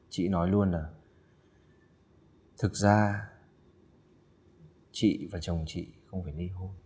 chị nói luôn là thực ra chị và chồng chị không phải ly hôn